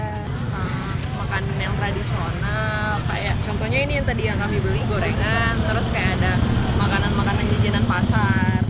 terus kayak ada makanan makanan jijenan pasar